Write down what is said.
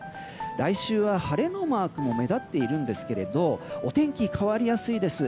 来週は晴れのマークも目立っているんですけどもお天気、変わりやすいです。